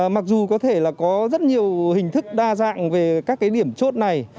mặc dù có thể là có rất nhiều hình thức đa dạng về các cái điểm chốt này